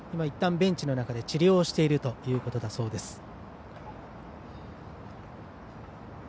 いったんベンチの中で治療しているそうです。